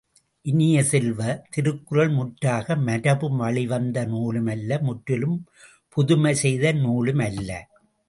இனிய செல்வ, திருக்குறள் முற்றாக மரபு வழி வந்த நூலும் அல்ல முற்றிலும் புதுமை செய்த நூலும் அல்ல.